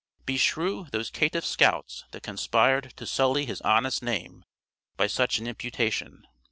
Beshrew those caitiff scouts that conspired to sully his honest name by such an imputation!